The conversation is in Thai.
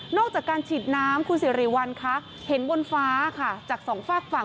จากการฉีดน้ำคุณสิริวัลคะเห็นบนฟ้าค่ะจากสองฝากฝั่ง